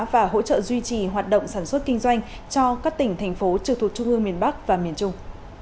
và hỗ trợ duy trì hoạt động sản xuất kinh doanh cho các tỉnh thành phố trực thuộc trung ương miền bắc và miền trung